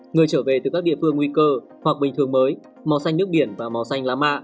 người trở về từ các địa phương nguy cơ hoặc bình thường mới màu xanh nước biển và màu xanh lá mạ